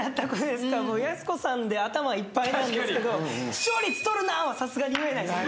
やす子さんで頭いっぱいなんですけど「視聴率取るな」はさすがに言えないです。